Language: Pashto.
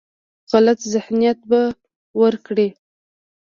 غلط ذهنیت به ورکړي.